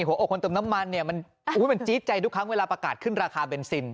หัวอกคนเติมน้ำมันเนี่ยมันจี๊ดใจทุกครั้งเวลาประกาศขึ้นราคาเบนซิน